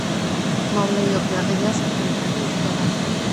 مولوي عبدالغياث عبدالعزيز ګدا